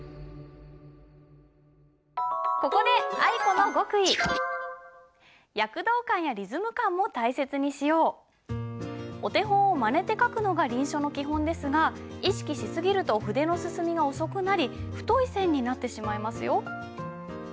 ここでお手本をまねて書くのが臨書の基本ですが意識し過ぎると筆の進みが遅くなり太い線になってしまいますよ。